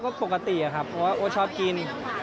ก็ปกติครับเพราะว่าโอ๊ตชอบกิน